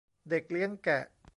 เด็กเลี้ยงแกะ